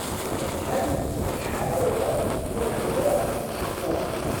Yakan acḥal-aya ur ḥdireɣ i tceqquft.